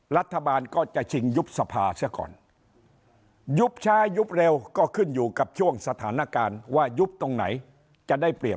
รัฐบาลก็จะชิงยุบสภาเสียก่อนยุบช้ายุบเร็วก็ขึ้นอยู่กับช่วงสถานการณ์ว่ายุบตรงไหนจะได้เปรียบ